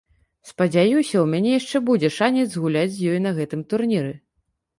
Спадзяюся, у мяне яшчэ будзе шанец згуляць з ёй на гэтым турніры.